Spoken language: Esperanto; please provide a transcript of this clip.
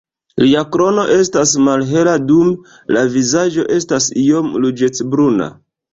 Lia krono estas malhela dum la vizaĝo estas iom ruĝecbruna.